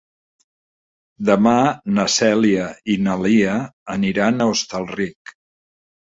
Demà na Cèlia i na Lia aniran a Hostalric.